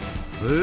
え？